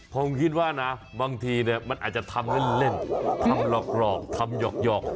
ผมคิดว่าบางทีมันอาจจะทำเล่นทำหลอกหลอกทำหยอก